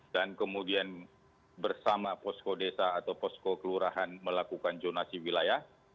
dan kemudian bersama posko desa atau posko kelurahan melakukan jonasi wilayah